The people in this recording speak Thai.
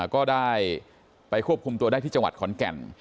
ก็ได้ไปควบคุมตัวได้ที่จังหวัดขอนแก่น